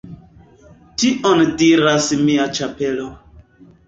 Tion diras mia ĉapelo